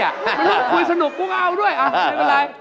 ไม่รู้ว่าคุยสนุกกูก็เอาด้วยไม่เป็นไร